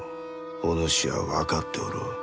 お主は分かっておろう？